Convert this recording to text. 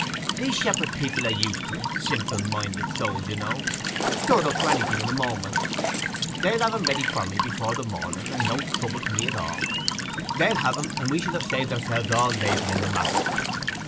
'These shepherd people are used to it—simple minded souls, you know, stirred up to anything in a moment. They'll have him ready for me before the morning, and no trouble to me at all.' 'They'll have him, and we shall have saved ourselves all labour in the matter.